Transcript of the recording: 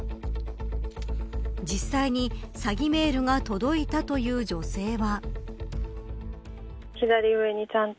実際に詐欺メールが届いたという女性は。